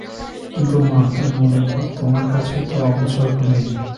কিন্তু, মা, তার মনের ভাব তোমার কাছে তো অগোচর নেই।